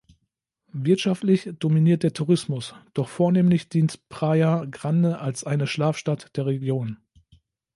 Wirtschaftlich dominiert der Tourismus, doch vornehmlich dient Praia Grande als eine Schlafstadt der Region.